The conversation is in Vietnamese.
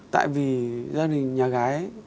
tại vì gia đình nhà gái